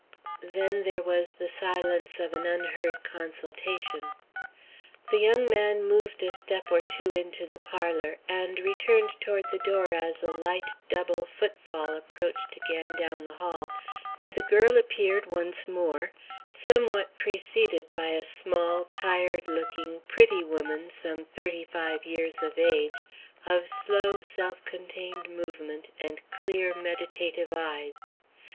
Then there was the silence of an unheard consultation. The young man moved a step or two into the parlor and returned toward the door as a light double foot fall approached again down the hall and the girl appeared once more, somewhat preceded by a small, tired looking, pretty woman some thirty five years of age, of slow, self contained movement and clear, meditative eyes.